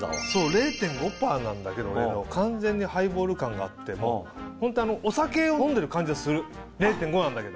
０．５％なんだけど完全にハイボール感があってホントお酒を飲んでる感じはする０．５なんだけど。